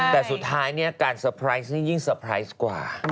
แต่สุดท้ายเนี่ยการเตอร์ไพรส์นี่ยิ่งเซอร์ไพรส์กว่า